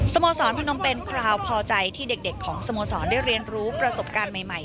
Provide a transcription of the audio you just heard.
โมสรพนมเป็นคราวพอใจที่เด็กของสโมสรได้เรียนรู้ประสบการณ์ใหม่